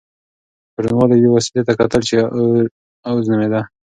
ګډونوالو یوې وسيلې ته کتل چې "اوز" نومېده.